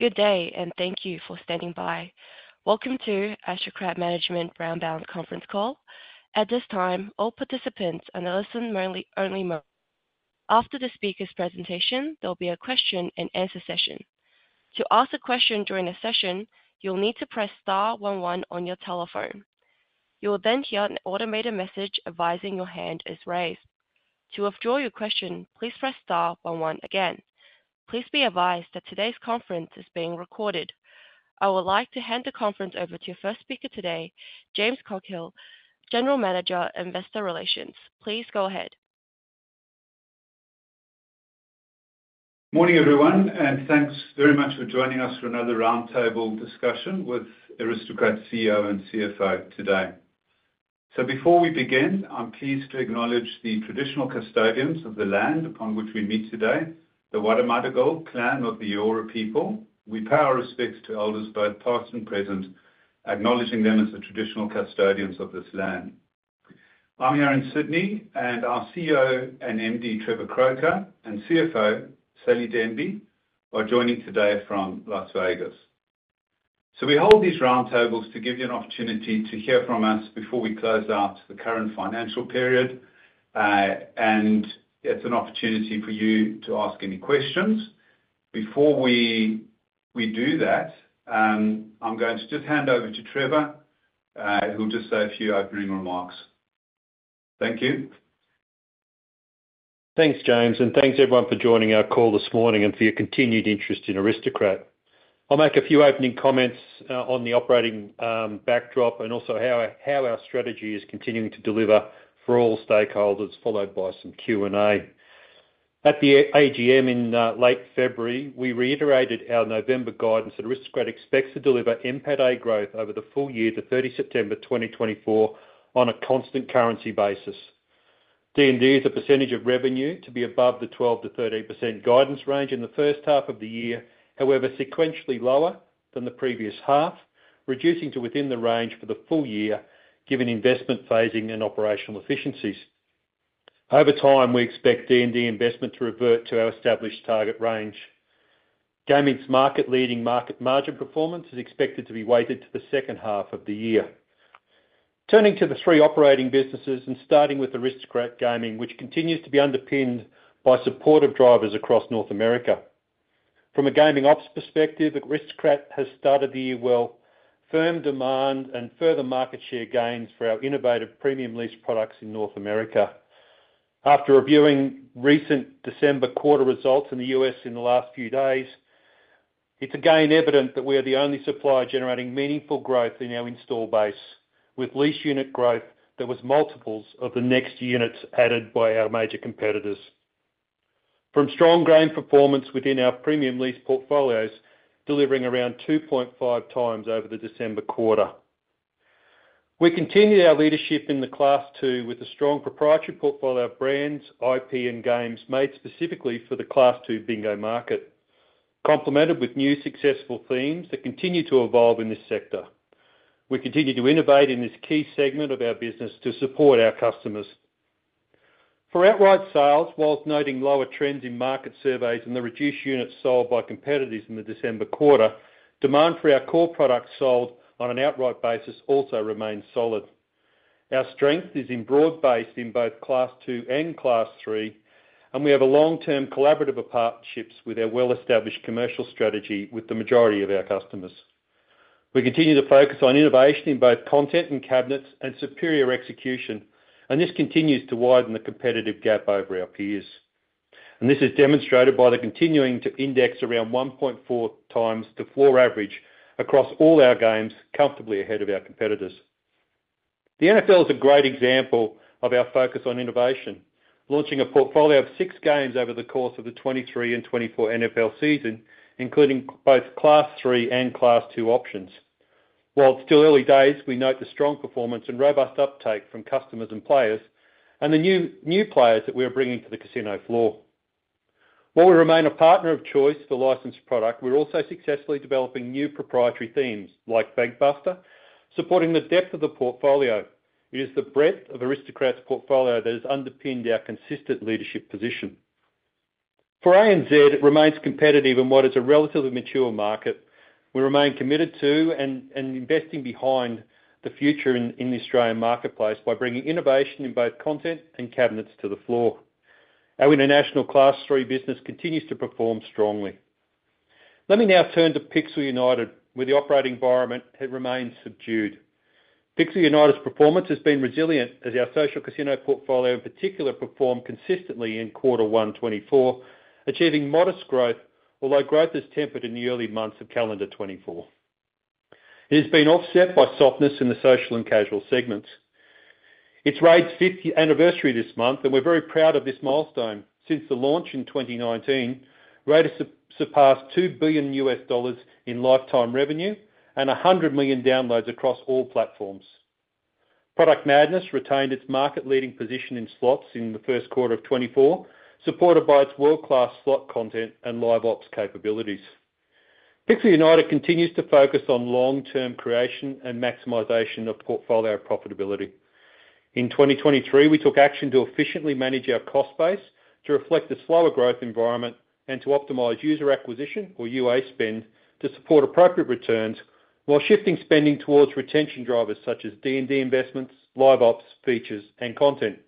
Good day, and thank you for standing by. Welcome to Aristocrat Management Roundtable Conference Call. At this time, all participants are in a listen-only mode. After the speaker's presentation, there'll be a question-and-answer session. To ask a question during the session, you'll need to press star one one on your telephone. You will then hear an automated message advising your hand is raised. To withdraw your question, please press star one one again. Please be advised that today's conference is being recorded. I would like to hand the conference over to your first speaker today, James Coghill, General Manager, Investor Relations. Please go ahead. Morning, everyone, and thanks very much for joining us for another roundtable discussion with Aristocrat CEO and CFO today. Before we begin, I'm pleased to acknowledge the traditional custodians of the land upon which we meet today, the Wadawurrung clan of the Eora people. We pay our respects to elders, both past and present, acknowledging them as the traditional custodians of this land. I'm here in Sydney, and our CEO and MD, Trevor Croker, and CFO, Sally Denby, are joining today from Las Vegas. We hold these roundtables to give you an opportunity to hear from us before we close out the current financial period, and it's an opportunity for you to ask any questions. Before we do that, I'm going to just hand over to Trevor, who'll just say a few opening remarks. Thank you. Thanks, James, and thanks everyone for joining our call this morning and for your continued interest in Aristocrat. I'll make a few opening comments on the operating backdrop and also how our strategy is continuing to deliver for all stakeholders, followed by some Q&A. At the AGM in late February, we reiterated our November guidance, that Aristocrat expects to deliver NPATA growth over the full year to September 30, 2024, on a constant currency basis. D&D is a percentage of revenue to be above the 12%-13% guidance range in the first half of the year, however, sequentially lower than the previous half, reducing to within the range for the full year, given investment phasing and operational efficiencies. Over time, we expect D&D investment to revert to our established target range. Gaming's market-leading, market margin performance is expected to be weighted to the second half of the year. Turning to the three operating businesses and starting with Aristocrat Gaming, which continues to be underpinned by supportive drivers across North America. From a gaming ops perspective, Aristocrat has started the year well. Firm demand and further market share gains for our innovative premium lease products in North America. After reviewing recent December quarter results in the U.S. in the last few days, it's again evident that we are the only supplier generating meaningful growth in our install base, with lease unit growth that was multiples of the next units added by our major competitors. From strong game performance within our premium lease portfolios, delivering around 2.5x over the December quarter. We continued our leadership in the Class II with a strong proprietary portfolio of brands, IP, and games made specifically for the Class II bingo market, complemented with new successful themes that continue to evolve in this sector. We continue to innovate in this key segment of our business to support our customers. For outright sales, while noting lower trends in market surveys and the reduced units sold by competitors in the December quarter, demand for our core products sold on an outright basis also remains solid. Our strength is in broad-based in both Class II and Class III, and we have a long-term collaborative partnerships with our well-established commercial strategy with the majority of our customers. We continue to focus on innovation in both content and cabinets and superior execution, and this continues to widen the competitive gap over our peers. This is demonstrated by the continuing to index around 1.4x the floor average across all our games, comfortably ahead of our competitors. The NFL is a great example of our focus on innovation, launching a portfolio of six games over the course of the 2023 and 2024 NFL season, including both Class III and Class II options. While it's still early days, we note the strong performance and robust uptake from customers and players, and the new players that we are bringing to the casino floor. While we remain a partner of choice for licensed product, we're also successfully developing new proprietary themes like Blockbuster, supporting the depth of the portfolio. It is the breadth of Aristocrat's portfolio that has underpinned our consistent leadership position. For ANZ, it remains competitive in what is a relatively mature market. We remain committed to investing behind the future in the Australian marketplace by bringing innovation in both content and cabinets to the floor. Our international Class III business continues to perform strongly. Let me now turn to Pixel United, where the operating environment has remained subdued. Pixel United's performance has been resilient as our social casino portfolio in particular performed consistently in Q1 2024, achieving modest growth, although growth is tempered in the early months of calendar 2024. It has been offset by softness in the social and casual segments. It's RAID's fifth anniversary this month, and we're very proud of this milestone. Since the launch in 2019, RAID has surpassed $2 billion in lifetime revenue and 100 million downloads across all platforms. Product Madness retained its market-leading position in slots in the first quarter of 2024, supported by its world-class slot content and live ops capabilities. Pixel United continues to focus on long-term creation and maximization of portfolio profitability. In 2023, we took action to efficiently manage our cost base to reflect the slower growth environment and to optimize user acquisition, or UA spend, to support appropriate returns while shifting spending towards retention drivers such as D&D investments, live ops, features, and content.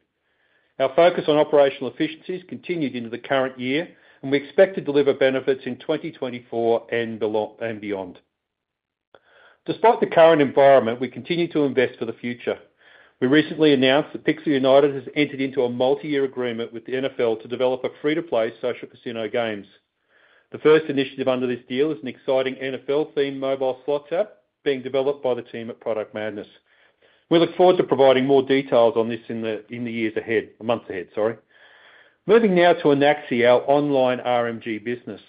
Our focus on operational efficiencies continued into the current year, and we expect to deliver benefits in 2024 and beyond. Despite the current environment, we continue to invest for the future. We recently announced that Pixel United has entered into a multi-year agreement with the NFL to develop free-to-play social casino games. The first initiative under this deal is an exciting NFL-themed mobile slots app being developed by the team at Product Madness. We look forward to providing more details on this in the months ahead, sorry. Moving now to Anaxi, our online RMG business.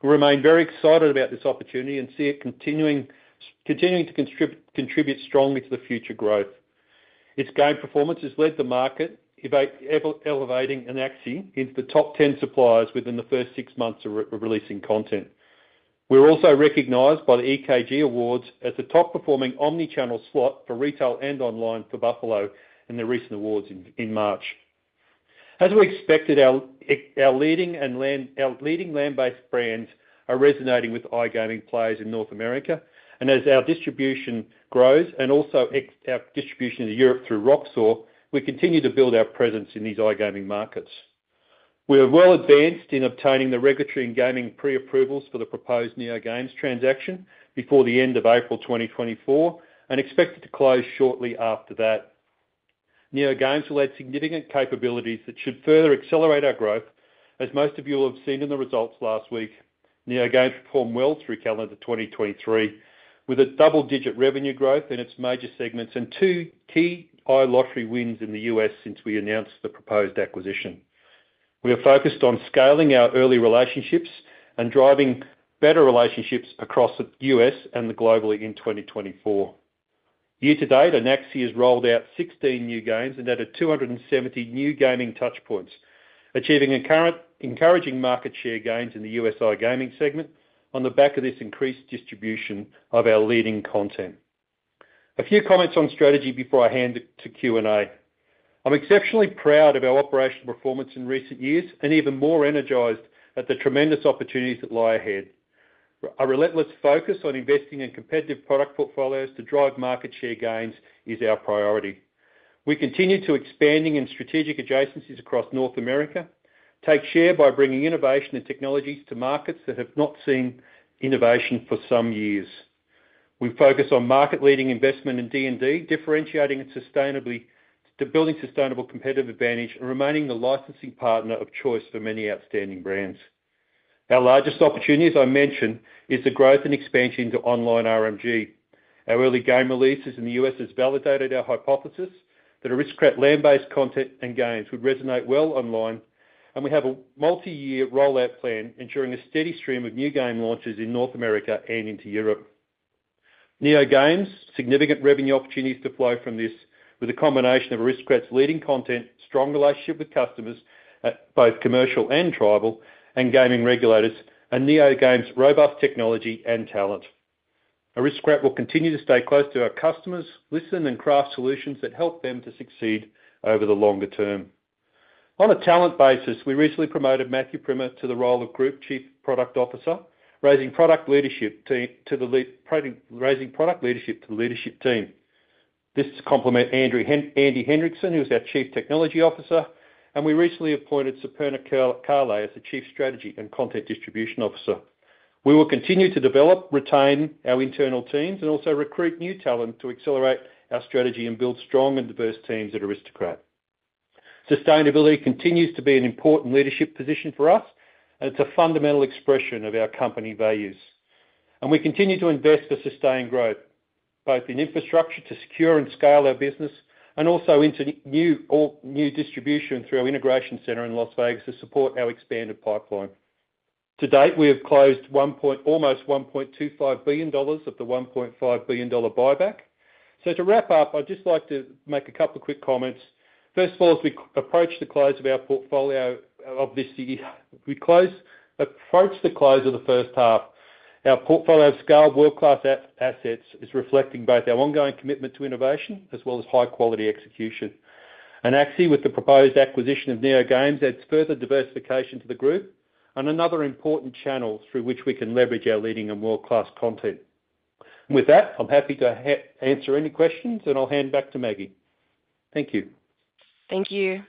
We remain very excited about this opportunity and see it continuing to contribute strongly to the future growth. Its game performance has led the market, elevating Anaxi into the top 10 suppliers within the first six months of releasing content. We're also recognized by the EKG Awards as the top-performing omni-channel slot for retail and online for Buffalo in the recent awards in March. As we expected, our leading land-based brands are resonating with iGaming players in North America, and as our distribution grows and our distribution into Europe through Roxor Gaming, we continue to build our presence in these iGaming markets. We are well-advanced in obtaining the regulatory and gaming pre-approvals for the proposed NeoGames transaction before the end of April 2024, and expect it to close shortly after that. NeoGames will add significant capabilities that should further accelerate our growth. As most of you will have seen in the results last week, NeoGames performed well through calendar 2023, with a double-digit revenue growth in its major segments and two key iLottery wins in the U.S. since we announced the proposed acquisition. We are focused on scaling our early relationships and driving better relationships across the U.S. and globally in 2024. Year-to-date, Anaxi has rolled out 16 new games and added 270 new gaming touchpoints, achieving currently encouraging market share gains in the US iGaming segment on the back of this increased distribution of our leading content. A few comments on strategy before I hand it to Q&A. I'm exceptionally proud of our operational performance in recent years, and even more energized at the tremendous opportunities that lie ahead. Our relentless focus on investing in competitive product portfolios to drive market share gains is our priority. We continue expanding in strategic adjacencies across North America, take share by bringing innovation and technologies to markets that have not seen innovation for some years. We focus on market-leading investment in D&D, differentiating it sustainably to build sustainable competitive advantage and remaining the licensing partner of choice for many outstanding brands. Our largest opportunity, as I mentioned, is the growth and expansion into online RMG. Our early game releases in the U.S. has validated our hypothesis that Aristocrat land-based content and games would resonate well online, and we have a multi-year rollout plan ensuring a steady stream of new game launches in North America and into Europe. NeoGames, significant revenue opportunities to flow from this, with a combination of Aristocrat's leading content, strong relationship with customers, both commercial and tribal, and gaming regulators, and NeoGames' robust technology and talent. Aristocrat will continue to stay close to our customers, listen, and craft solutions that help them to succeed over the longer term. On a talent basis, we recently promoted Matthew Primmer to the role of Group Chief Product Officer, raising product leadership to the leadership team. This is to complement Andy Hendrickson, who is our Chief Technology Officer, and we recently appointed Superna Kalle as the Chief Strategy and Content Distribution Officer. We will continue to develop, retain our internal teams, and also recruit new talent to accelerate our strategy and build strong and diverse teams at Aristocrat. Sustainability continues to be an important leadership position for us, and it's a fundamental expression of our company values. And we continue to invest for sustained growth, both in infrastructure to secure and scale our business, and also into new distribution through our integration center in Las Vegas to support our expanded pipeline. To date, we have closed almost $1.25 billion of the $1.5 billion buyback. So to wrap up, I'd just like to make a couple quick comments. First of all, as we approach the close of the first half, our portfolio of scaled world-class assets is reflecting both our ongoing commitment to innovation as well as high-quality execution. Anaxi, with the proposed acquisition of NeoGames, adds further diversification to the group and another important channel through which we can leverage our leading and world-class content. With that, I'm happy to answer any questions, and I'll hand back to Maggie. Thank you. Thank you.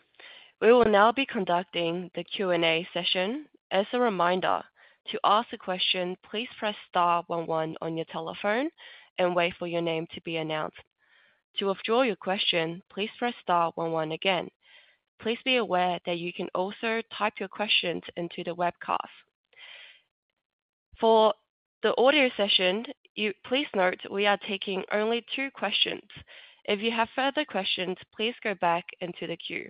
We will now be conducting the Q&A session. As a reminder, to ask a question, please press star one one on your telephone and wait for your name to be announced. To withdraw your question, please press star one one again. Please be aware that you can also type your questions into the webcast. For the audio session, please note, we are taking only two questions. If you have further questions, please go back into the queue.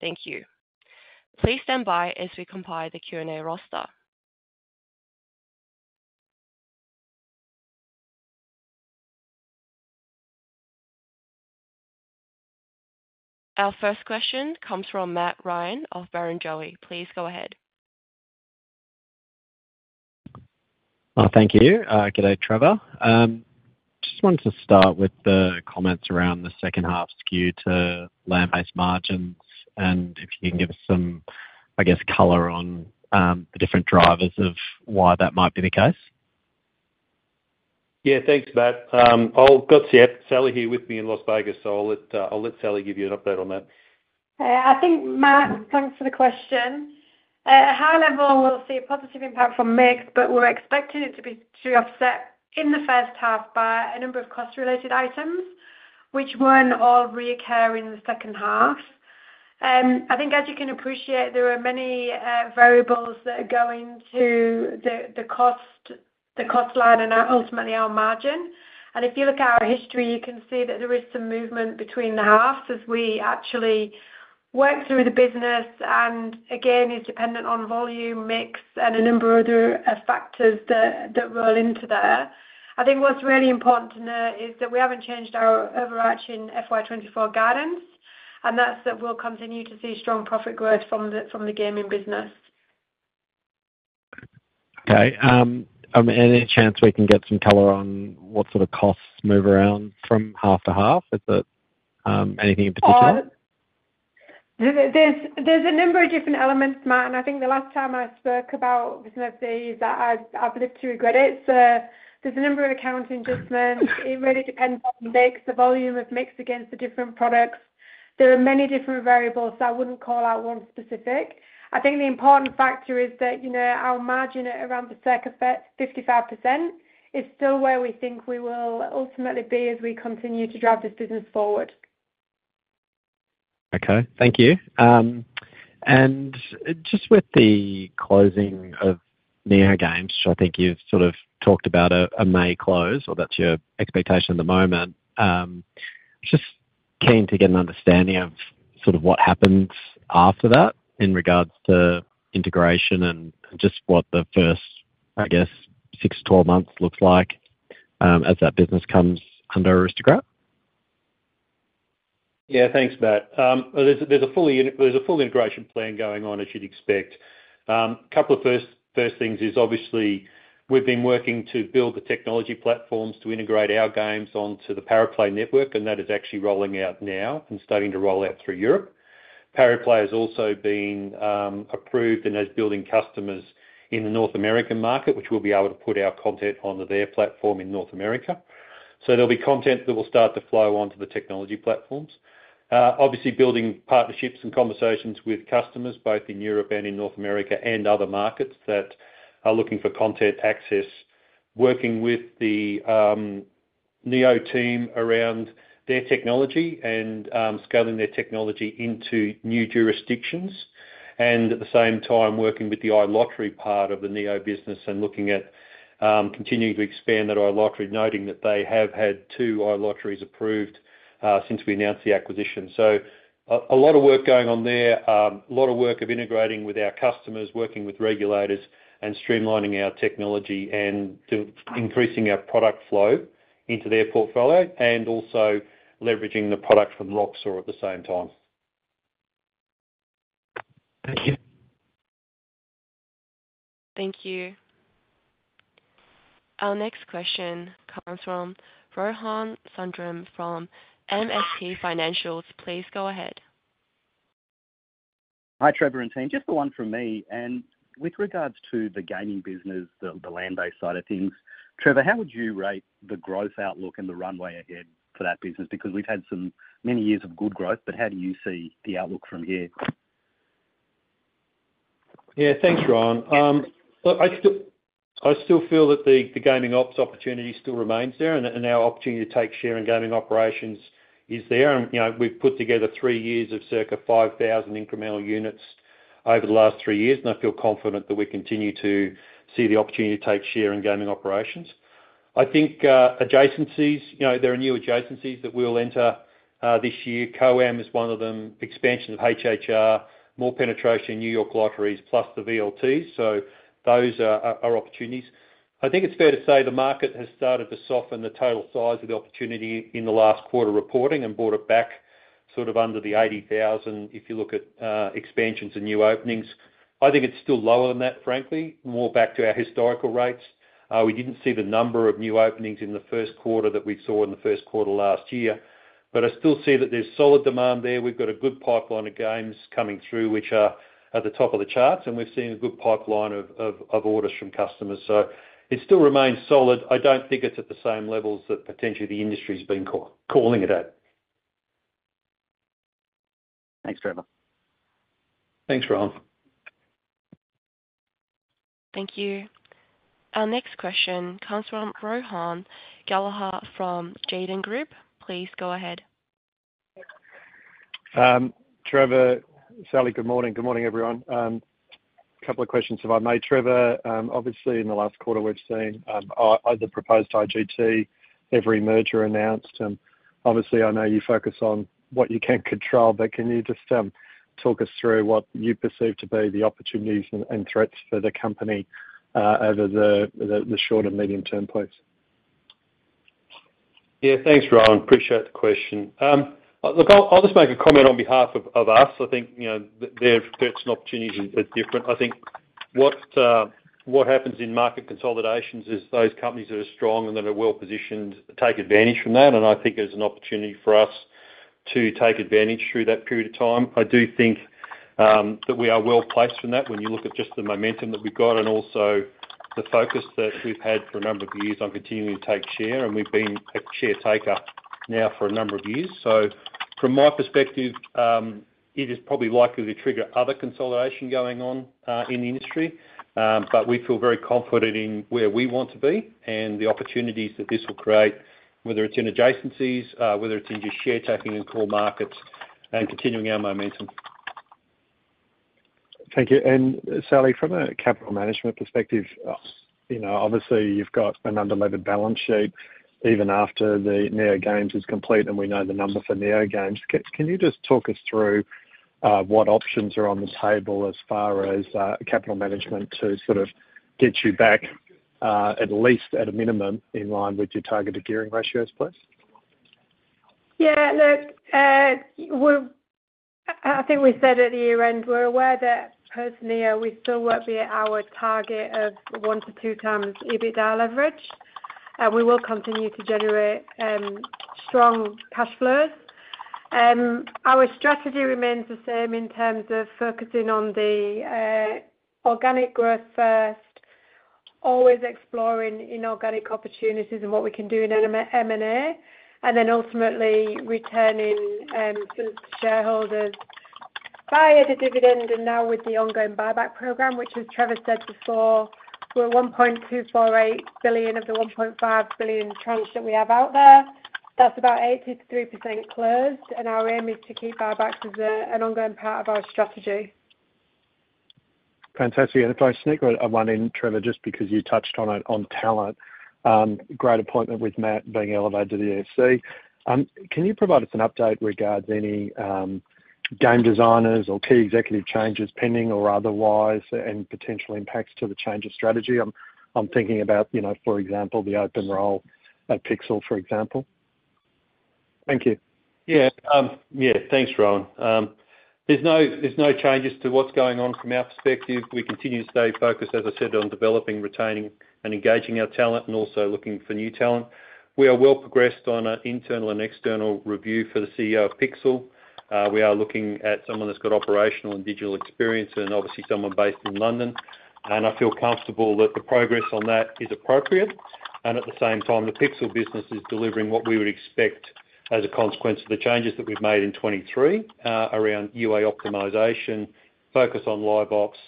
Thank you. Please stand by as we compile the Q&A roster. Our first question comes from Matt Ryan of Barrenjoey. Please go ahead.... Well, thank you. Good day, Trevor. Just wanted to start with the comments around the second half skew to land-based margins, and if you can give us some, I guess, color on, the different drivers of why that might be the case? Yeah, thanks, Matt. I've got Sally here with me in Las Vegas, so I'll let Sally give you an update on that. I think, Matt, thanks for the question. At a high level, we'll see a positive impact from mix, but we're expecting it to be to offset in the first half by a number of cost-related items, which won't all reoccur in the second half. I think, as you can appreciate, there are many variables that go into the, the cost, the cost line and ultimately our margin. And if you look at our history, you can see that there is some movement between the halves as we actually work through the business, and again, it's dependent on volume, mix, and a number of other factors that, that roll into there. I think what's really important to note is that we haven't changed our overarching FY 2024 guidance, and that's that we'll continue to see strong profit growth from the, from the gaming business. Okay, any chance we can get some color on what sort of costs move around from half to half? Is it, anything in particular? There's a number of different elements, Matt, and I think the last time I spoke about some of these, that I've lived to regret it. So there's a number of accounting adjustments. It really depends on the mix, the volume of mix against the different products. There are many different variables, so I wouldn't call out one specific. I think the important factor is that, you know, our margin at around the circa 55% is still where we think we will ultimately be as we continue to drive this business forward. Okay. Thank you. And just with the closing of NeoGames, which I think you've sort of talked about a May close, or that's your expectation at the moment, just keen to get an understanding of sort of what happens after that in regards to integration and just what the first, I guess, 6-12 months looks like, as that business comes under Aristocrat. Yeah. Thanks, Matt. There's a full integration plan going on, as you'd expect. A couple of first things is obviously we've been working to build the technology platforms to integrate our games onto the Pariplay network, and that is actually rolling out now and starting to roll out through Europe. Pariplay has also been approved and is building customers in the North American market, which we'll be able to put our content onto their platform in North America. So there'll be content that will start to flow onto the technology platforms. Obviously, building partnerships and conversations with customers both in Europe and in North America, and other markets that are looking for content access. Working with the Neo team around their technology and scaling their technology into new jurisdictions. At the same time, working with the iLottery part of the Neo business and looking at continuing to expand that iLottery, noting that they have had two iLotteries approved since we announced the acquisition. So a lot of work going on there. A lot of work of integrating with our customers, working with regulators, and streamlining our technology, and to increasing our product flow into their portfolio, and also leveraging the product from Roxor at the same time. Thank you. Thank you. Our next question comes from Rohan Sundram from MST Financial. Please go ahead. Hi, Trevor and team, just the one from me. With regards to the gaming business, the land-based side of things, Trevor, how would you rate the growth outlook and the runway ahead for that business? Because we've had so many years of good growth, but how do you see the outlook from here? Yeah. Thanks, Rohan. Look, I still, I still feel that the, the gaming ops opportunity still remains there, and, and our opportunity to take share in gaming operations is there. And, you know, we've put together three years of circa 5,000 incremental units over the last three years, and I feel confident that we continue to see the opportunity to take share in gaming operations. I think, adjacencies, you know, there are new adjacencies that we'll enter, this year. COAM is one of them, expansion of HHR, more penetration in New York Lotteries, plus the VLTs. So those are, are, are opportunities. I think it's fair to say the market has started to soften the total size of the opportunity in the last quarter reporting and brought it back sort of under the 80,000, if you look at, expansions and new openings. I think it's still lower than that, frankly, more back to our historical rates. We didn't see the number of new openings in the first quarter that we saw in the first quarter last year, but I still see that there's solid demand there. We've got a good pipeline of games coming through, which are at the top of the charts, and we've seen a good pipeline of orders from customers. So it still remains solid. I don't think it's at the same levels that potentially the industry's been calling it at. Thanks, Trevor. Thanks, Rohan. Thank you. Our next question comes from Rohan Gallagher from Jarden. Please go ahead. Trevor, Sally, good morning. Good morning, everyone. A couple of questions, if I may. Trevor, obviously, in the last quarter, we've seen the proposed IGT-Everi merger announced, and obviously I know you focus on what you can't control, but can you just talk us through what you perceive to be the opportunities and threats for the company over the short and medium term, please?... Yeah, thanks, Rohan. Appreciate the question. Look, I'll just make a comment on behalf of us. I think, you know, their own opportunities are different. I think what happens in market consolidations is those companies that are strong and that are well-positioned take advantage from that, and I think there's an opportunity for us to take advantage through that period of time. I do think that we are well-placed in that when you look at just the momentum that we've got and also the focus that we've had for a number of years on continuing to take share, and we've been a share taker now for a number of years. So from my perspective, it is probably likely to trigger other consolidation going on in the industry. But we feel very confident in where we want to be and the opportunities that this will create, whether it's in adjacencies, whether it's in just share taking in core markets and continuing our momentum. Thank you. And Sally, from a capital management perspective, you know, obviously, you've got an unlevered balance sheet even after the NeoGames is complete, and we know the number for NeoGames. Can you just talk us through, what options are on the table as far as, capital management to sort of get you back, at least at a minimum, in line with your targeted gearing ratios, please? Yeah, look, I think we said at the year-end, we're aware that post Neo, we still won't be at our target of 1-2x EBITDA leverage, and we will continue to generate strong cash flows. Our strategy remains the same in terms of focusing on the organic growth first, always exploring inorganic opportunities and what we can do in M&A, and then ultimately returning shareholders via the dividend and now with the ongoing buyback program, which, as Trevor said before, we're at 1.248 billion of the 1.5 billion tranche that we have out there. That's about 83% closed, and our aim is to keep buybacks as an ongoing part of our strategy. Fantastic. And if I sneak one in, Trevor, just because you touched on it, on talent, great appointment with Matt being elevated to the ELT. Can you provide us an update regarding any game designers or key executive changes, pending or otherwise, and potential impacts to the change of strategy? I'm thinking about, you know, for example, the open role at Pixel, for example. Thank you. Yeah. Yeah, thanks, Rohan. There's no, there's no changes to what's going on from our perspective. We continue to stay focused, as I said, on developing, retaining and engaging our talent and also looking for new talent. We are well progressed on an internal and external review for the CEO of Pixel. We are looking at someone that's got operational and digital experience and obviously someone based in London. And I feel comfortable that the progress on that is appropriate. And at the same time, the Pixel business is delivering what we would expect as a consequence of the changes that we've made in 2023, around UA optimization, focus on live ops,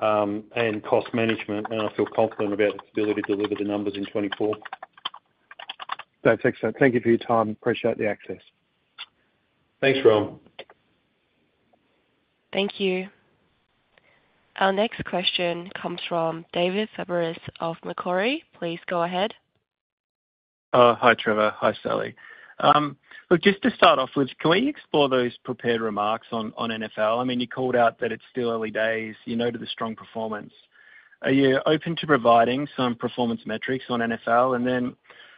and cost management. And I feel confident about its ability to deliver the numbers in 2024. That's excellent. Thank you for your time. Appreciate the access. Thanks, Rohan. Thank you. Our next question comes from David Fabris of Macquarie. Please go ahead. Hi, Trevor. Hi, Sally. Look, just to start off with, can we explore those prepared remarks on, on NFL? I mean, you called out that it's still early days, you noted the strong performance. Are you open to providing some performance metrics on NFL? And then,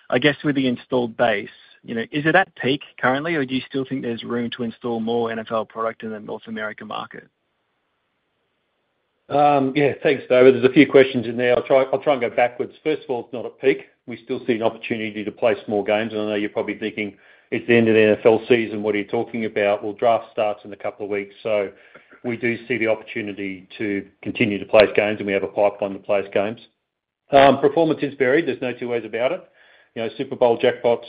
I guess with the installed base, you know, is it at peak currently, or do you still think there's room to install more NFL product in the North America market? Yeah. Thanks, David. There's a few questions in there. I'll try, I'll try and go backwards. First of all, it's not at peak. We still see an opportunity to place more games. I know you're probably thinking, "It's the end of the NFL season, what are you talking about?" Well, draft starts in a couple of weeks, so we do see the opportunity to continue to place games, and we have a pipeline to place games. Performance is varied, there's no two ways about it. You know, Super Bowl Jackpots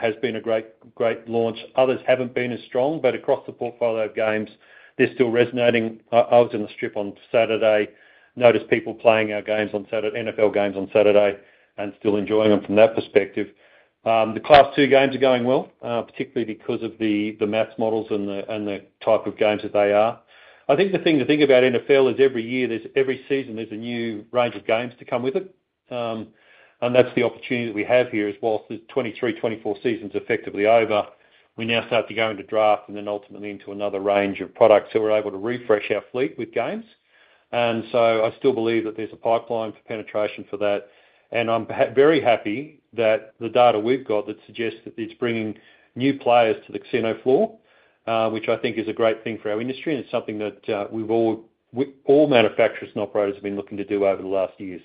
has been a great, great launch. Others haven't been as strong, but across the portfolio of games, they're still resonating. I was in the Strip on Saturday, noticed people playing our games on Saturday, NFL games on Saturday, and still enjoying them from that perspective. The Class II games are going well, particularly because of the math models and the type of games that they are. I think the thing to think about NFL is every season, there's a new range of games to come with it. And that's the opportunity that we have here, is while the 2023-2024 season's effectively over, we now start to go into draft and then ultimately into another range of products, so we're able to refresh our fleet with games. And so I still believe that there's a pipeline for penetration for that, and I'm very happy that the data we've got that suggests that it's bringing new players to the casino floor, which I think is a great thing for our industry, and it's something that we've all all manufacturers and operators have been looking to do over the last years.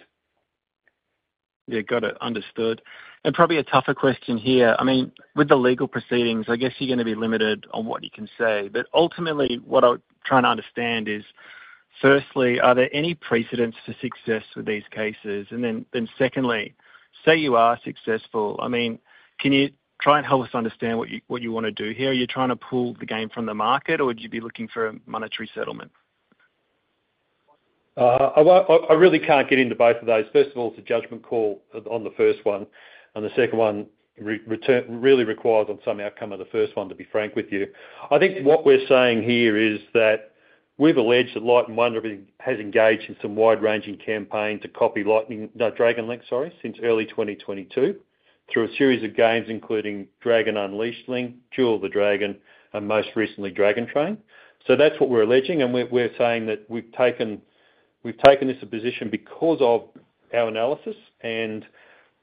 Yeah, got it. Understood. And probably a tougher question here. I mean, with the legal proceedings, I guess you're going to be limited on what you can say. But ultimately, what I'm trying to understand is, firstly, are there any precedents for success with these cases? And then, then secondly, say you are successful, I mean, can you try and help us understand what you, what you want to do here? Are you trying to pull the game from the market, or would you be looking for a monetary settlement? I really can't get into both of those. First of all, it's a judgment call on the first one, and the second one return really requires on some outcome of the first one, to be frank with you. I think what we're saying here is that we've alleged that Light & Wonder has engaged in some wide-ranging campaign to copy Lightning—no, Dragon Link, sorry, since early 2022, through a series of games including Dragon Unleashed, Jewel of the Dragon, and most recently, Dragon Train. So that's what we're alleging, and we're saying that we've taken this position because of our analysis, and,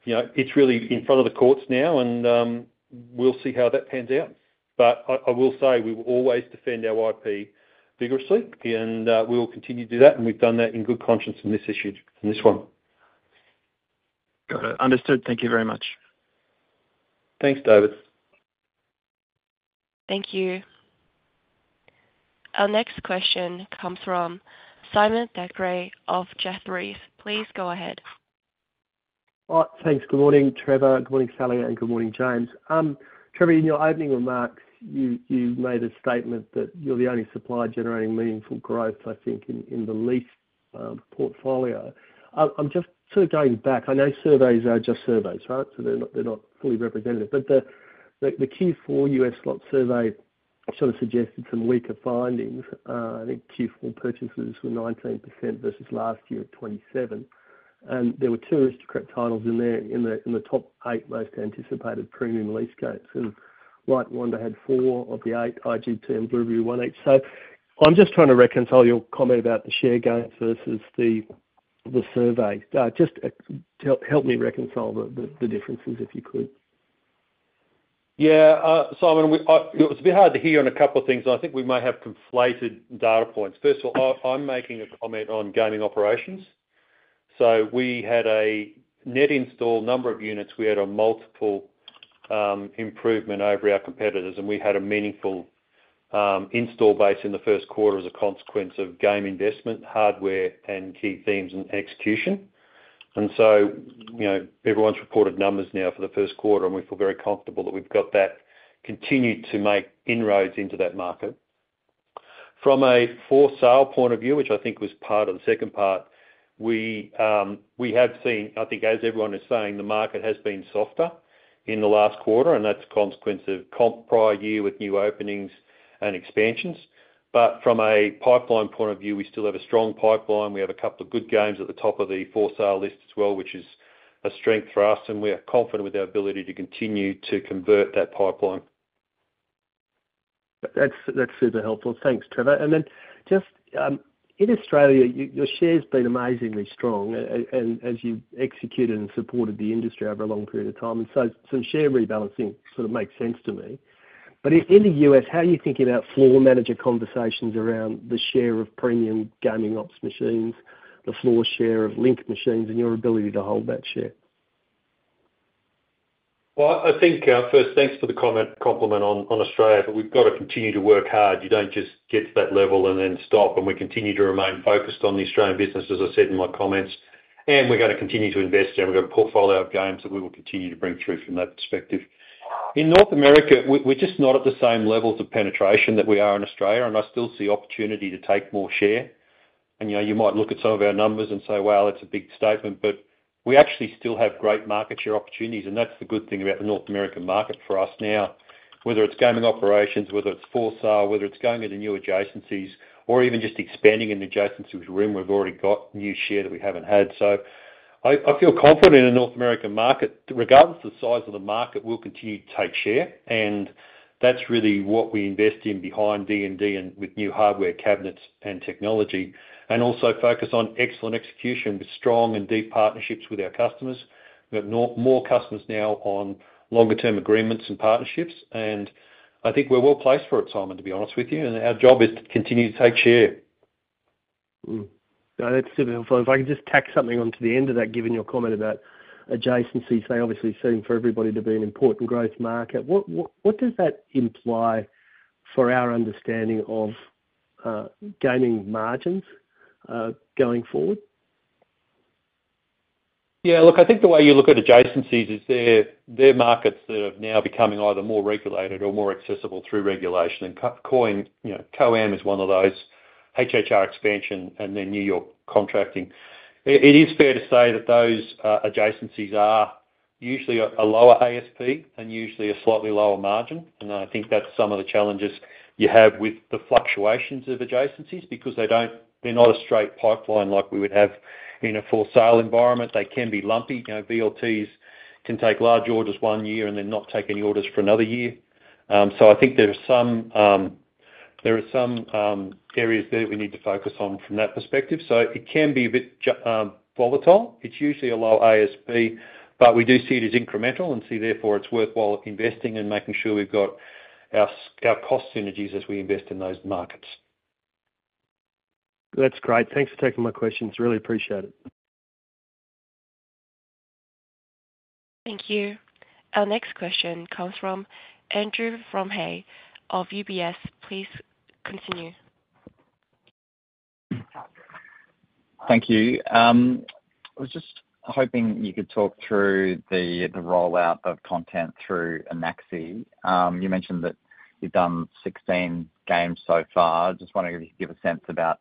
you know, it's really in front of the courts now, and we'll see how that pans out. But I, I will say, we will always defend our IP vigorously, and we will continue to do that, and we've done that in good conscience on this issue, on this one. Got it. Understood. Thank you very much. Thanks, David. Thank you. Our next question comes from Simon Thackray of Jefferies. Please go ahead. Thanks. Good morning, Trevor, good morning, Sally, and good morning, James. Trevor, in your opening remarks, you made a statement that you're the only supplier generating meaningful growth, I think, in the lease portfolio. I'm just sort of going back. I know surveys are just surveys, right? So they're not fully representative, but the Q4 US slot survey sort of suggested some weaker findings. I think Q4 purchases were 19% versus last year at 27%, and there were two Aristocrat titles in there in the top eight most anticipated premium lease games, and Light & Wonder had four of the eight, IGT two, and Bluberi one each. So I'm just trying to reconcile your comment about the share gains versus the survey. Just help me reconcile the differences, if you could. Yeah, Simon, it was a bit hard to hear on a couple of things. I think we may have conflated data points. First of all, I'm making a comment on gaming operations. So we had a net install number of units. We had a multiple improvement over our competitors, and we had a meaningful install base in the first quarter as a consequence of game investment, hardware, and key themes and execution. And so, you know, everyone's reported numbers now for the first quarter, and we feel very comfortable that we've got that continued to make inroads into that market. From a for sale point of view, which I think was part of the second part, we, we have seen, I think as everyone is saying, the market has been softer in the last quarter, and that's a consequence of comp prior year with new openings and expansions. But from a pipeline point of view, we still have a strong pipeline. We have a couple of good games at the top of the for sale list as well, which is a strength for us, and we are confident with our ability to continue to convert that pipeline. That's, that's super helpful. Thanks, Trevor. And then just in Australia, your share's been amazingly strong, and as you've executed and supported the industry over a long period of time, and so share rebalancing sort of makes sense to me. But in the U.S., how are you thinking about floor manager conversations around the share of premium gaming ops machines, the floor share of linked machines, and your ability to hold that share? Well, I think, first, thanks for the comment, compliment on Australia, but we've got to continue to work hard. You don't just get to that level and then stop, and we continue to remain focused on the Australian business, as I said in my comments. We're gonna continue to invest, and we've got a portfolio of games that we will continue to bring through from that perspective. In North America, we're just not at the same levels of penetration that we are in Australia, and I still see opportunity to take more share. You know, you might look at some of our numbers and say, "Wow, that's a big statement," but we actually still have great market share opportunities, and that's the good thing about the North American market for us now. Whether it's gaming operations, whether it's for sale, whether it's going into new adjacencies or even just expanding into adjacencies room, we've already got new share that we haven't had. So I feel confident in the North American market, regardless of the size of the market, we'll continue to take share, and that's really what we invest in behind D&D and with new hardware, cabinets, and technology, and also focus on excellent execution with strong and deep partnerships with our customers. We have more customers now on longer term agreements and partnerships, and I think we're well placed for it, Simon, to be honest with you, and our job is to continue to take share. Mm-hmm. No, that's super helpful. If I could just tack something onto the end of that, given your comment about adjacencies, they obviously seem for everybody to be an important growth market. What does that imply for our understanding of gaming margins going forward? Yeah, look, I think the way you look at adjacencies is they're markets that are now becoming either more regulated or more accessible through regulation. And, you know, COAM is one of those, HHR expansion and then New York contracting. It is fair to say that those adjacencies are usually a lower ASP and usually a slightly lower margin, and I think that's some of the challenges you have with the fluctuations of adjacencies because they're not a straight pipeline like we would have in a for sale environment. They can be lumpy. You know, VLTs can take large orders one year and then not take any orders for another year. So I think there are some areas there we need to focus on from that perspective. So it can be a bit volatile. It's usually a lower ASP, but we do see it as incremental and see therefore it's worthwhile investing and making sure we've got our cost synergies as we invest in those markets. That's great. Thanks for taking my questions. Really appreciate it. Thank you. Our next question comes from Andre Fromyhr of UBS. Please continue. Thank you. I was just hoping you could talk through the rollout of content through Anaxi. You mentioned that you've done 16 games so far. Just wondering if you could give a sense about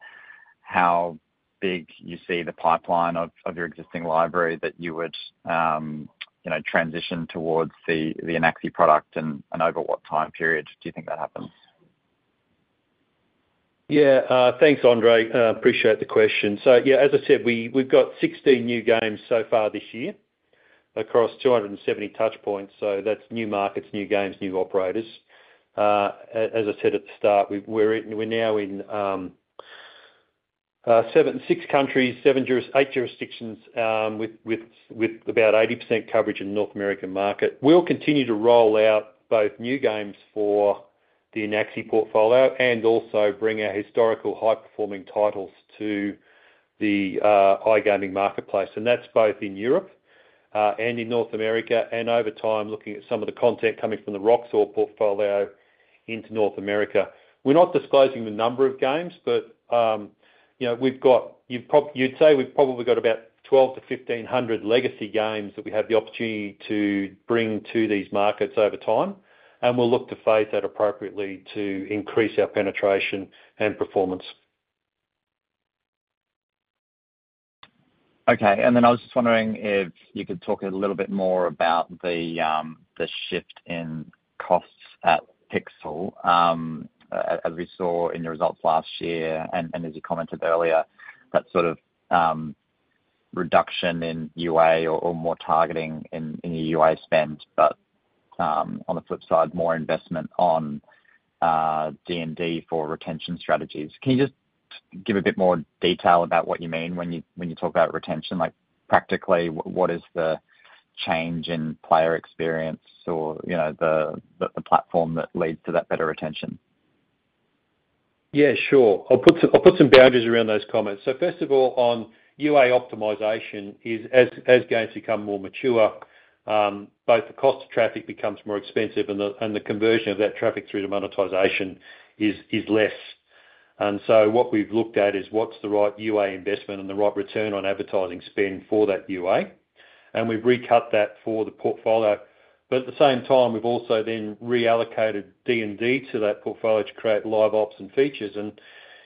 how big you see the pipeline of your existing library that you would, you know, transition towards the Anaxi product, and over what time period do you think that happens? Yeah. Thanks, Andre. Appreciate the question. So yeah, as I said, we've got 16 new games so far this year across 270 touchpoints, so that's new markets, new games, new operators. As I said at the start, we're now in six countries, eight jurisdictions, with about 80% coverage in the North American market. We'll continue to roll out both new games for the Anaxi portfolio and also bring our historical high-performing titles to the iGaming marketplace, and that's both in Europe and in North America, and over time, looking at some of the content coming from the Roxor portfolio into North America. We're not disclosing the number of games, but, you know, we've got, you'd say we've probably got about 1,200-1,500 legacy games that we have the opportunity to bring to these markets over time, and we'll look to phase that appropriately to increase our penetration and performance. Okay, and then I was just wondering if you could talk a little bit more about the shift in costs at Pixel, as we saw in the results last year, and as you commented earlier, that sort of reduction in UA or more targeting in your UA spend, but on the flip side, more investment on D&D for retention strategies. Can you just give a bit more detail about what you mean when you talk about retention? Like, practically, what is the change in player experience or, you know, the platform that leads to that better retention? Yeah, sure. I'll put some boundaries around those comments. So first of all, on UA optimization, as games become more mature, both the cost of traffic becomes more expensive and the conversion of that traffic through to monetization is less. And so what we've looked at is what's the right UA investment and the right return on advertising spend for that UA? And we've recut that for the portfolio, but at the same time, we've also then reallocated D&D to that portfolio to create live ops and features. And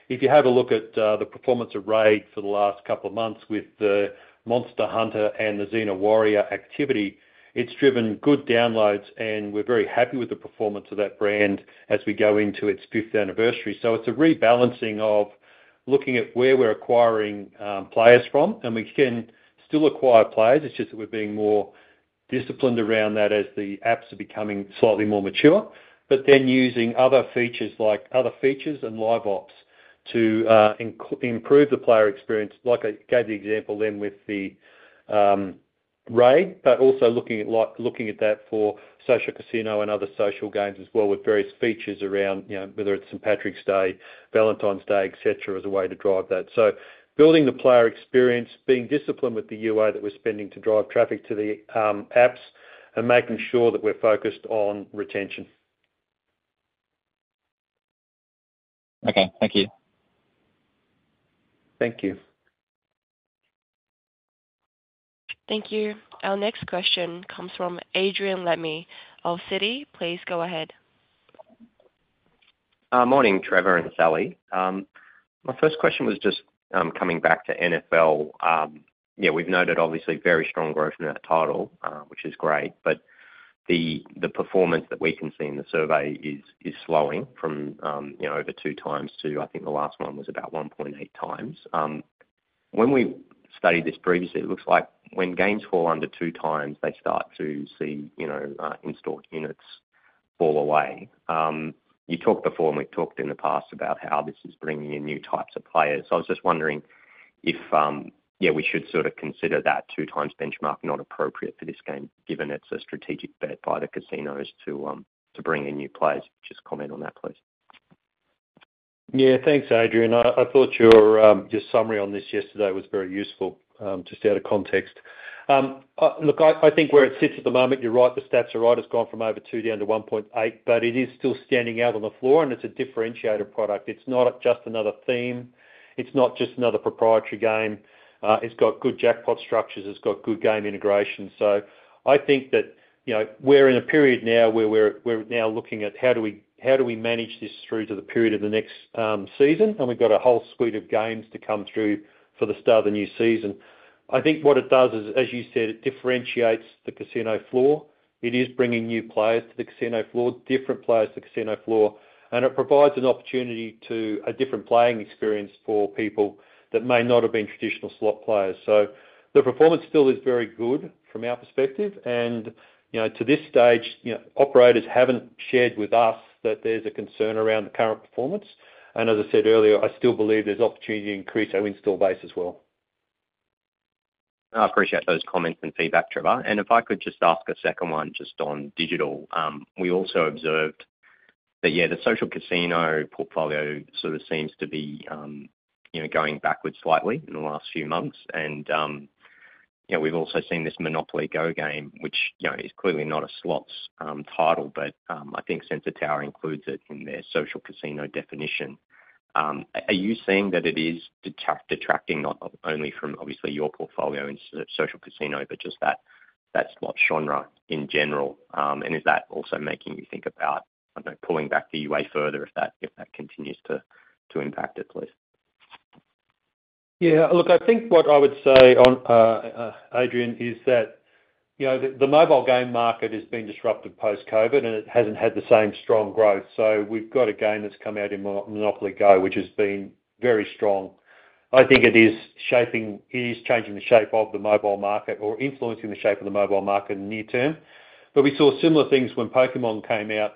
if you have a look at the performance of Raid for the last couple of months with the Monster Hunter and the Xena Warrior activity, it's driven good downloads, and we're very happy with the performance of that brand as we go into its fifth anniversary. So it's a rebalancing of looking at where we're acquiring players from, and we can still acquire players. It's just that we're being more disciplined around that as the apps are becoming slightly more mature, but then using other features, like other features and Live Ops, to improve the player experience, like I gave the example then with the RAID, but also looking at like, looking at that for social casino and other social games as well, with various features around, you know, whether it's St. Patrick's Day, Valentine's Day, et cetera, as a way to drive that. So building the player experience, being disciplined with the UA that we're spending to drive traffic to the apps, and making sure that we're focused on retention. Okay, thank you. Thank you. Thank you. Our next question comes from Adrian Lemme of Citi. Please go ahead. Morning, Trevor and Sally. My first question was just coming back to NFL. Yeah, we've noted, obviously, very strong growth in that title, which is great, but the performance that we can see in the survey is slowing from, you know, over 2x to, I think, the last one was about 1.8x. When we studied this previously, it looks like when games fall under 2x, they start to see, you know, installed units fall away. You talked before, and we've talked in the past about how this is bringing in new types of players. I was just wondering if, yeah, we should sort of consider that 2x benchmark not appropriate for this game, given it's a strategic bet by the casinos to bring in new players. Just comment on that, please. Yeah, thanks, Adrian. I thought your summary on this yesterday was very useful, just out of context. Look, I think where it sits at the moment, you're right, the stats are right. It's gone from over two down to 1.8, but it is still standing out on the floor, and it's a differentiator product. It's not just another theme. It's not just another proprietary game. It's got good jackpot structures, it's got good game integration. So I think that, you know, we're in a period now where we're now looking at how do we manage this through to the period of the next season? And we've got a whole suite of games to come through for the start of the new season. I think what it does is, as you said, it differentiates the casino floor. It is bringing new players to the casino floor, different players to the casino floor, and it provides an opportunity to a different playing experience for people that may not have been traditional slot players. So the performance still is very good from our perspective, and, you know, to this stage, you know, operators haven't shared with us that there's a concern around the current performance. And as I said earlier, I still believe there's opportunity to increase our install base as well. I appreciate those comments and feedback, Trevor. If I could just ask a second one, just on digital. We also observed that, yeah, the social casino portfolio sort of seems to be, you know, going backwards slightly in the last few months. And, you know, we've also seen this MONOPOLY GO! game, which, you know, is clearly not a slots title, but I think Sensor Tower includes it in their social casino definition. Are you seeing that it is detracting not only from obviously your portfolio in social casino, but just that slot genre in general, and is that also making you think about, I don't know, pulling back the UA further if that continues to impact it, please? Yeah. Look, I think what I would say on Adrian is that, you know, the mobile game market has been disrupted post-COVID, and it hasn't had the same strong growth. So we've got a game that's come out in Monopoly Go, which has been very strong. I think it is shaping. It is changing the shape of the mobile market or influencing the shape of the mobile market in the near term. But we saw similar things when Pokemon came out.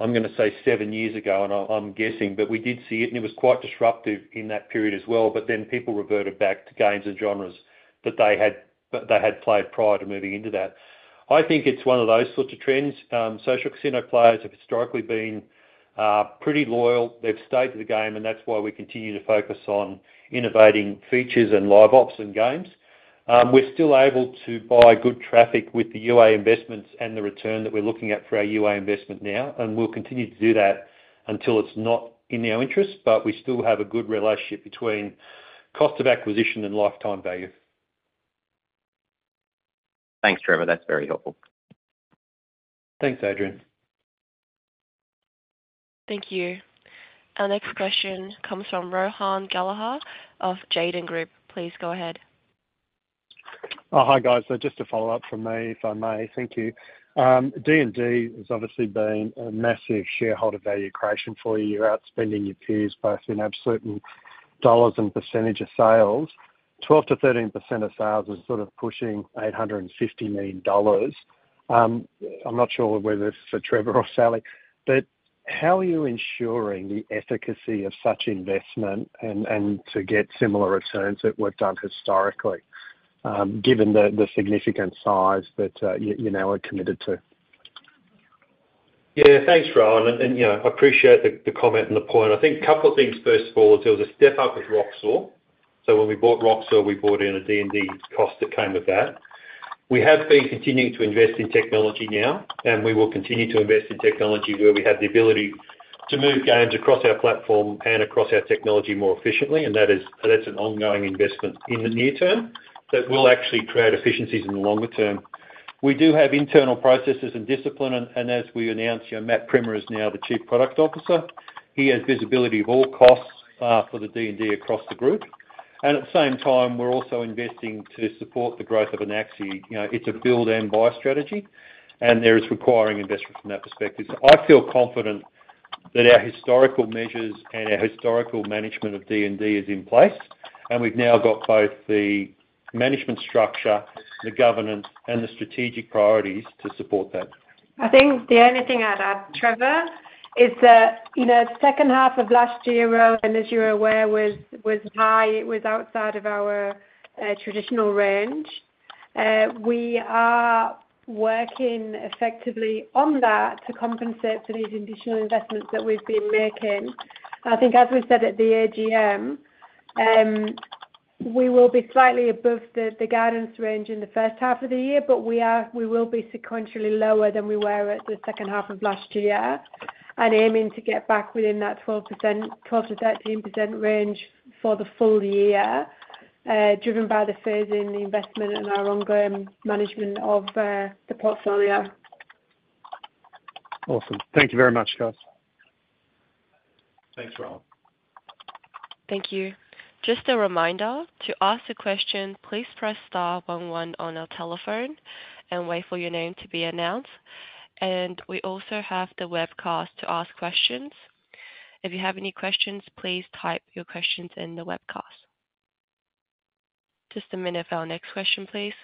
I'm gonna say seven years ago, and I'm guessing, but we did see it, and it was quite disruptive in that period as well. But then people reverted back to games and genres that they had, that they had played prior to moving into that. I think it's one of those sorts of trends. Social casino players have historically been pretty loyal. They've stayed to the game, and that's why we continue to focus on innovating features and Live Ops and games. We're still able to buy good traffic with the UA investments and the return that we're looking at for our UA investment now, and we'll continue to do that until it's not in our interest. But we still have a good relationship between cost of acquisition and lifetime value. Thanks, Trevor. That's very helpful. Thanks, Adrian. Thank you. Our next question comes from Rohan Gallagher of Jarden. Please go ahead. Oh, hi, guys. Just to follow up from me, if I may. Thank you. D&D has obviously been a massive shareholder value creation for you. You're outspending your peers, both in absolute dollars and percentage of sales. 12%-13% of sales is sort of pushing 850 million dollars. I'm not sure whether this is for Trevor or Sally, but how are you ensuring the efficacy of such investment and, and to get similar returns that were done historically, given the significant size that you now are committed to? Yeah, thanks, Rohan, and you know, I appreciate the comment and the point. I think a couple of things first of all, there was a step up with Roxor. So when we bought Roxor, we bought in a D&D cost that came with that. We have been continuing to invest in technology now, and we will continue to invest in technology where we have the ability to move games across our platform and across our technology more efficiently, and that is, that's an ongoing investment in the near term that will actually create efficiencies in the longer term. We do have internal processes and discipline, and as we announced, you know, Matt Primmer is now the Chief Product Officer. He has visibility of all costs, for the D&D across the group, and at the same time, we're also investing to support the growth of Anaxi. You know, it's a build and buy strategy, and there is requiring investment from that perspective. So I feel confident that our historical measures and our historical management of D&D is in place, and we've now got both the management structure, the governance, and the strategic priorities to support that. I think the only thing I'd add, Trevor, is that, you know, the second half of last year, and as you're aware, was high. It was outside of our traditional range. We are working effectively on that to compensate for these additional investments that we've been making. I think as we said at the AGM, we will be slightly above the guidance range in the first half of the year, but we will be sequentially lower than we were at the second half of last year, and aiming to get back within that 12%, 12%-13% range for the full year, driven by the phase in the investment and our ongoing management of the portfolio. Awesome. Thank you very much, guys. Thanks, Rohan. Thank you. Just a reminder, to ask a question, please press star one one on your telephone and wait for your name to be announced. We also have the webcast to ask questions. If you have any questions, please type your questions in the webcast. Just a minute for our next question, please.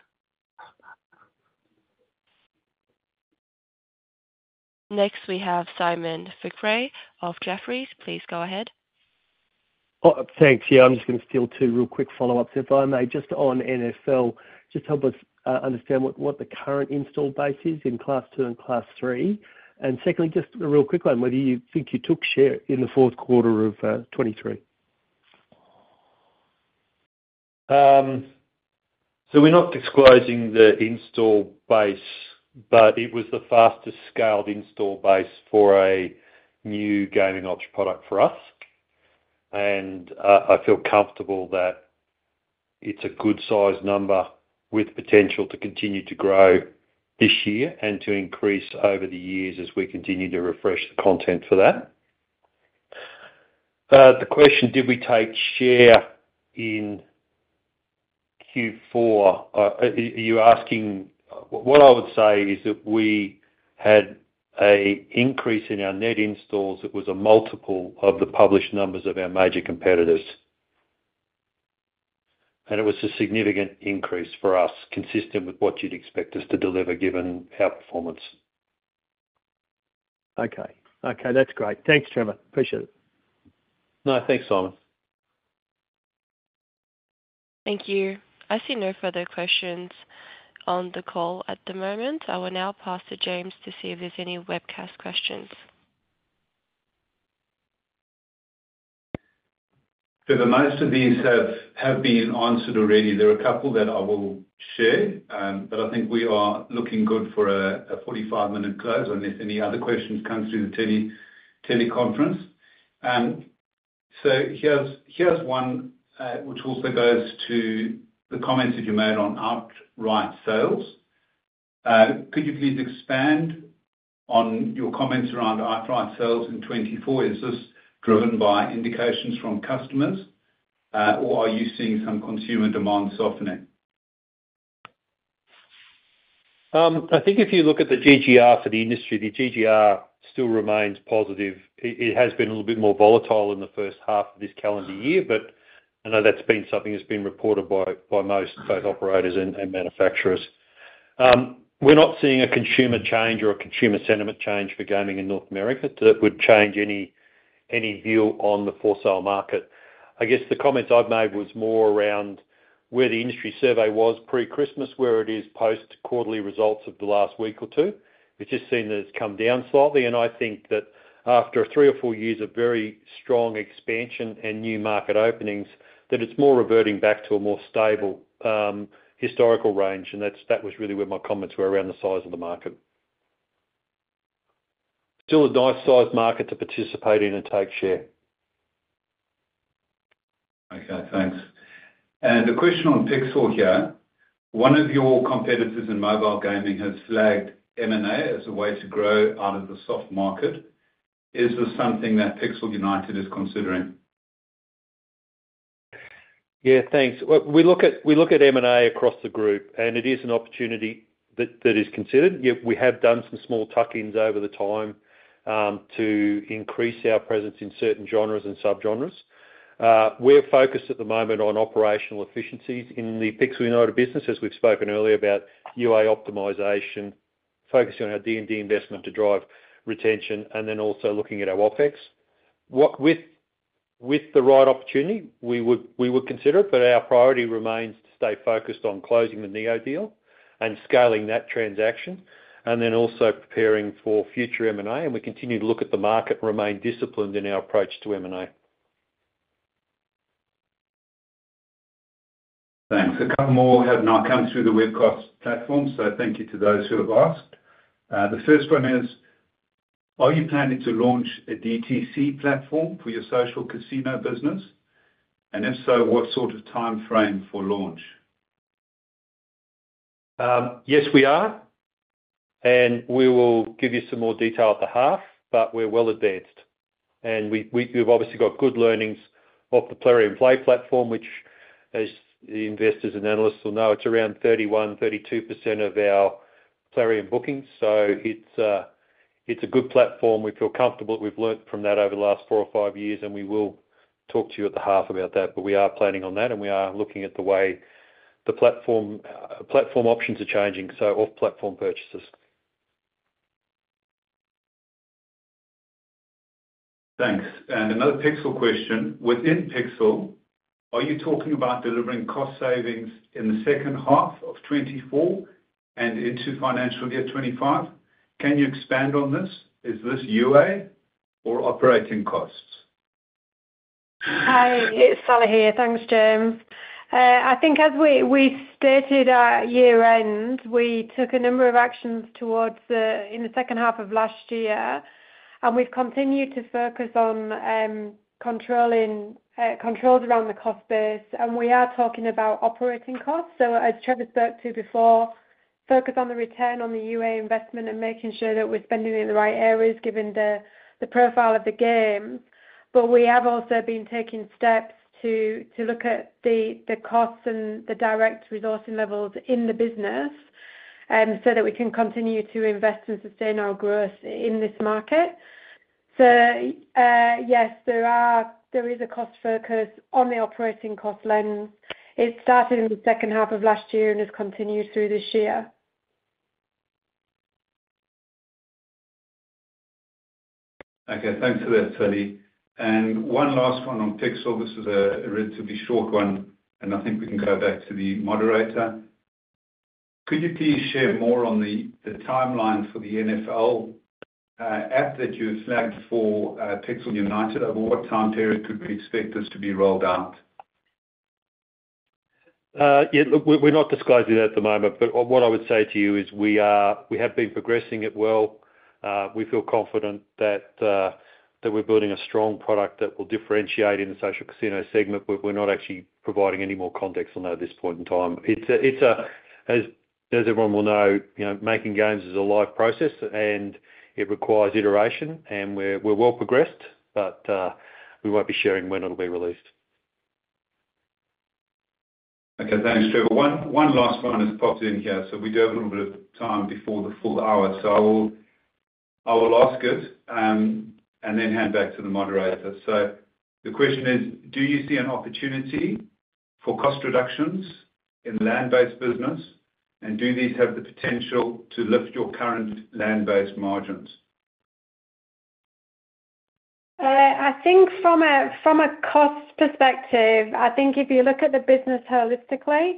Next, we have Simon Thackray of Jefferies. Please go ahead. Oh, thanks. Yeah, I'm just gonna steal two real quick follow-ups, if I may. Just on NFL, just help us understand what the current install base is in Class II and Class III. And secondly, just a real quick one, whether you think you took share in the fourth quarter of 2023. So we're not disclosing the install base, but it was the fastest scaled install base for a new gaming ops product for us. And I feel comfortable that it's a good size number with potential to continue to grow this year and to increase over the years as we continue to refresh the content for that. The question, did we take share in Q4? Are you asking? What I would say is that we had a increase in our net installs that was a multiple of the published numbers of our major competitors. And it was a significant increase for us, consistent with what you'd expect us to deliver, given our performance. Okay. Okay, that's great. Thanks, Trevor. Appreciate it. No, thanks, Simon. Thank you. I see no further questions on the call at the moment. I will now pass to James to see if there's any webcast questions. So the most of these have been answered already. There are a couple that I will share, but I think we are looking good for a 45-minute close, unless any other questions come through the teleconference. So here's one, which also goes to the comments that you made on outright sales. Could you please expand on your comments around outright sales in 2024? Is this driven by indications from customers, or are you seeing some consumer demand softening? I think if you look at the GGR for the industry, the GGR still remains positive. It has been a little bit more volatile in the first half of this calendar year, but I know that's been something that's been reported by most both operators and manufacturers. We're not seeing a consumer change or a consumer sentiment change for gaming in North America that would change any view on the for-sale market. I guess, the comments I've made was more around where the industry survey was pre-Christmas, where it is post-quarterly results of the last week or two. We've just seen that it's come down slightly, and I think that after three or four years of very strong expansion and new market openings, that it's more reverting back to a more stable historical range. That was really where my comments were around the size of the market. Still a nice-sized market to participate in and take share. Okay, thanks. And a question on Pixel here: One of your competitors in mobile gaming has flagged M&A as a way to grow out of the soft market. Is this something that Pixel United is considering? Yeah, thanks. Well, we look at M&A across the group, and it is an opportunity that is considered. Yet we have done some small tuck-ins over time to increase our presence in certain genres and subgenres. We're focused at the moment on operational efficiencies in the Pixel United business, as we've spoken earlier about UA optimization, focusing on our D&D investment to drive retention, and then also looking at our OpEx. With the right opportunity, we would consider it, but our priority remains to stay focused on closing the Neo deal and scaling that transaction, and then also preparing for future M&A. And we continue to look at the market and remain disciplined in our approach to M&A. Thanks. A couple more have now come through the Webcast platform, so thank you to those who have asked. The first one is: Are you planning to launch a DTC platform for your social casino business? And if so, what sort of timeframe for launch? Yes, we are, and we will give you some more detail at the half, but we're well advanced. And we've obviously got good learnings off the Plarium Play platform, which, as the investors and analysts will know, it's around 31%-32% of our Plarium bookings. So it's a good platform. We feel comfortable that we've learned from that over the last four or five years, and we will talk to you at the half about that. But we are planning on that, and we are looking at the way the platform, platform options are changing, so off-platform purchases. Thanks. And another Pixel question: Within Pixel, are you talking about delivering cost savings in the second half of 2024 and into financial year 2025? Can you expand on this? Is this UA or operating costs? Hi, it's Sally here. Thanks, James. I think as we stated at year-end, we took a number of actions towards the in the second half of last year, and we've continued to focus on controlling controls around the cost base, and we are talking about operating costs. So as Trevor spoke to before, focus on the return on the UA investment and making sure that we're spending it in the right areas, given the profile of the game. But we have also been taking steps to look at the costs and the direct resourcing levels in the business, so that we can continue to invest and sustain our growth in this market. So yes, there is a cost focus on the operating cost lens. It started in the second half of last year and has continued through this year. Okay, thanks for that, Sally. One last one on Pixel. This is a relatively short one, and I think we can go back to the moderator. Could you please share more on the timeline for the NFL app that you have flagged for Pixel United? Over what time period could we expect this to be rolled out? Yeah, look, we're not disclosing that at the moment, but what I would say to you is we are—we have been progressing it well. We feel confident that we're building a strong product that will differentiate in the social casino segment, but we're not actually providing any more context on that at this point in time. It's a... As everyone will know, you know, making games is a live process, and it requires iteration. And we're well progressed, but we won't be sharing when it'll be released. Okay, thanks, Trevor. One last one has popped in here, so we do have a little bit of time before the full hour. So I will ask it, and then hand back to the moderator. So the question is: Do you see an opportunity for cost reductions in land-based business? And do these have the potential to lift your current land-based margins? I think from a cost perspective, I think if you look at the business holistically,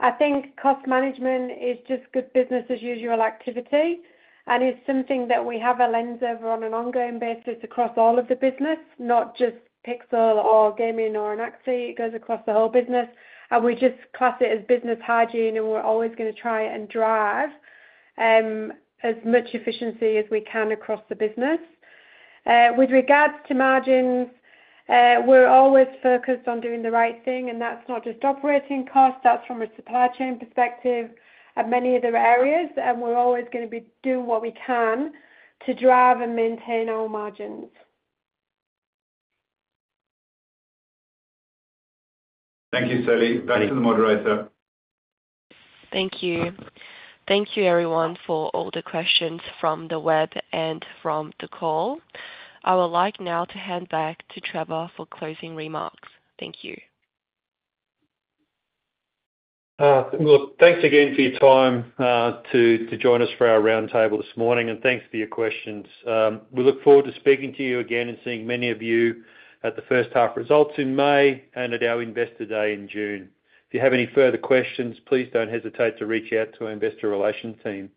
I think cost management is just good business as usual activity, and it's something that we have a lens over on an ongoing basis across all of the business, not just Pixel or gaming or Anaxi. It goes across the whole business, and we just class it as business hygiene, and we're always gonna try and drive as much efficiency as we can across the business. With regards to margins, we're always focused on doing the right thing, and that's not just operating costs, that's from a supply chain perspective and many other areas, and we're always gonna be doing what we can to drive and maintain our margins. Thank you, Sally. Back to the moderator. Thank you. Thank you everyone for all the questions from the web and from the call. I would like now to hand back to Trevor for closing remarks. Thank you. Well, thanks again for your time to join us for our roundtable this morning, and thanks for your questions. We look forward to speaking to you again and seeing many of you at the first half results in May and at our Investor Day in June. If you have any further questions, please don't hesitate to reach out to our investor relations team.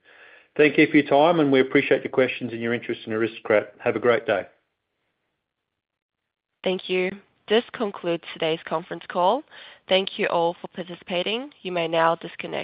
Thank you for your time, and we appreciate your questions and your interest in Aristocrat. Have a great day. Thank you. This concludes today's conference call. Thank you all for participating. You may now disconnect.